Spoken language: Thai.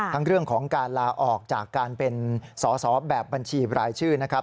ทั้งเรื่องของการลาออกจากการเป็นสอสอแบบบัญชีรายชื่อนะครับ